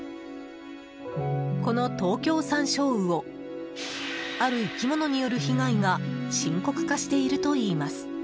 このトウキョウサンショウウオある生き物による被害が深刻化しているといいます。